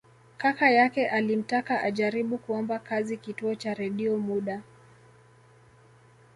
Kaka yake alimtaka ajaribu kuomba kazi Kituo cha Redio muda